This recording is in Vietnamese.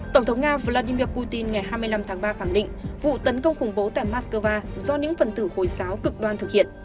tổng thống nga vladimir putin ngày hai mươi năm tháng ba khẳng định vụ tấn công khủng bố tại moscow do những phần tử hồi giáo cực đoan thực hiện